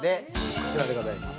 こちらでございます。